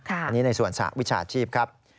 อันนี้ในส่วนสหวิชาชีพครับ